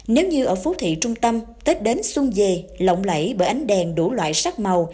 nếu như ở phố thị trung tâm tết đến xuân về lộng lẫy bởi ánh đèn đủ loại sắc màu